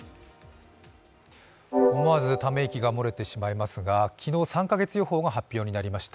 思わずため息が漏れてしまいますが、昨日３か月予報が発表になりました。